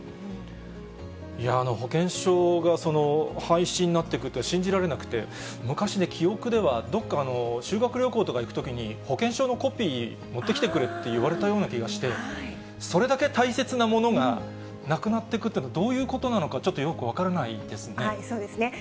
保険証が廃止になってくると信じられなくて、昔、記憶では、どこか、修学旅行とか行くときに、保険証のコピー、持ってきてくれって言われたような気がして、それだけ大切なものが、なくなっていくというのは、どういうことなのか、ちょっとよそうですね。